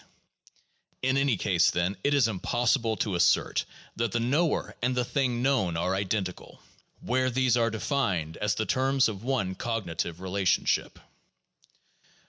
In any case, then, it is impossible to assert that the knower and the thing known are identical, where these are denned as the terms of one cognitive relationship.